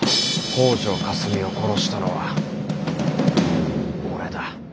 北條かすみを殺したのは俺だ。